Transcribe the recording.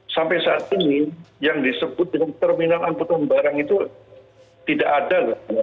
sampai saat ini yang disebut dengan terminal angkutan barang itu tidak ada